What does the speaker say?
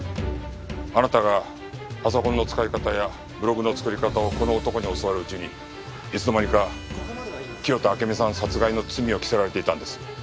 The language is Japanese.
あなたがパソコンの使い方やブログの作り方をこの男に教わるうちにいつのまにか清田暁美さん殺害の罪を着せられていたんです。